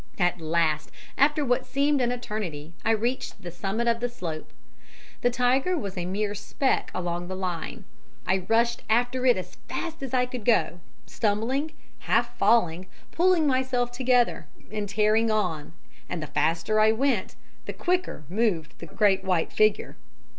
At last, after what seemed an eternity, I reached the summit of the slope; the tiger was a mere speck along the line. I rushed after it as fast as I could go, stumbling, half falling, pulling myself together, and tearing on, and the faster I went the quicker moved the great white figure.